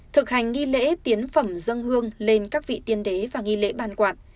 thực hành nghi lễ tiến phẩm dâng hương lên các vị tiên đế và nghi lễ ban quạt